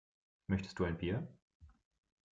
Möchtest du ein Bier?